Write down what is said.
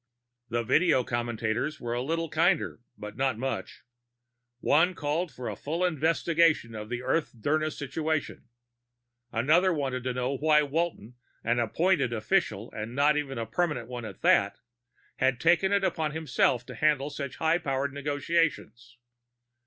The video commentators were a little kinder, but not very. One called for a full investigation of the Earth Dirna situation. Another wanted to know why Walton, an appointed official and not even a permanent one at that, had taken it upon himself to handle such high power negotiations.